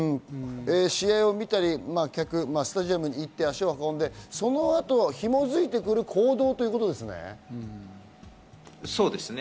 試合を見たり、スタジアムに行ってその後、紐づいてくる行動ということですね。